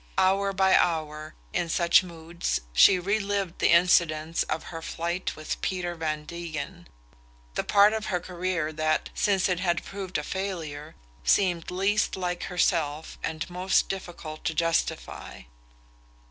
Hour by hour, in such moods, she re lived the incidents of her flight with Peter Van Degen: the part of her career that, since it had proved a failure, seemed least like herself and most difficult to justify.